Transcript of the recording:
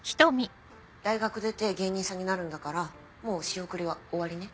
大学出て芸人さんになるんだからもう仕送りは終わりね。